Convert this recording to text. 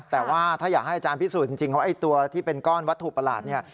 แต่ว่าถ้าอยากให้อาจารย์พิสูจนจริงเพราะไอ้ตัวที่เป็นก้อนวัตถุประหลาดเนี่ย